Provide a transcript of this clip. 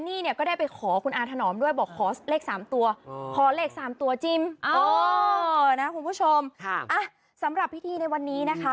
อ๋อนะครับคุณผู้ชมค่ะอ่ะสำหรับพิธีในวันนี้นะคะ